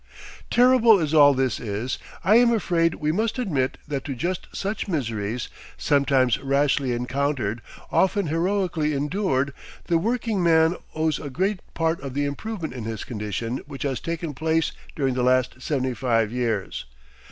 Terrible as all this is, I am afraid we must admit that to just such miseries, sometimes rashly encountered, often heroically endured, the workingman owes a great part of the improvement in his condition which has taken place during the last seventy five years.